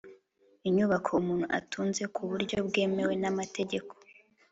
inyubako umuntu atunze ku buryo bwemewe na mategek